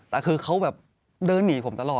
แต่คือเขาแบบเดินหนีผมตลอด